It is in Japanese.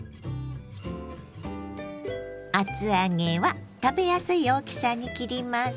厚揚げは食べやすい大きさに切ります。